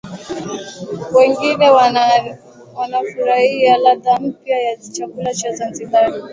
Wageni wanafurahia ladha mpya ya chakula cha Zanzibar